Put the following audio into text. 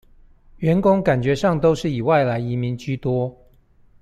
員工感覺上都是以外來移民居多